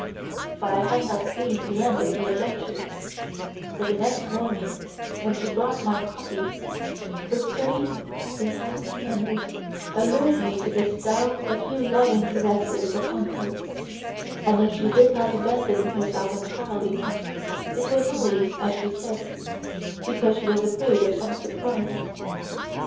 But I had not seen the end of the adventure, for the next morning, when she brought my coffee, her pretty, enticing manners allured me to bestow a few loving caresses upon her, and if she did not abandon herself entirely, it was only, as she said, because she was afraid of some surprise.